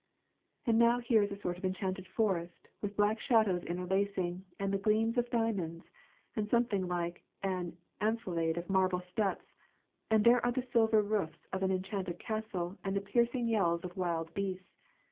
" And now here is a sort of enchanted forest, with black shadows interlacing, and the gleams of diamonds, and some thing like an amphilade of marble steps ; and there are the silver roofs of an enchanted castle, and the piercing yells of wild beasts.